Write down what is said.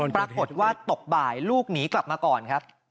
ปรากฏว่าตกบ่ายลูกหนีกลับมาก่อนครับ